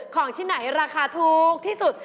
ของที่ไหนราคาถูกที่สุด